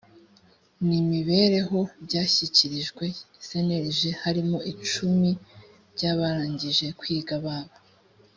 n imibereho byashyikirijwe cnlg harimo icumi by abarangije kwiga baba